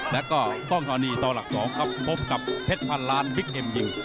แล้วก็ต้องหนีตอนหลัก๒ครับพบกับเพชรพันล้านวิคเอ็มยิง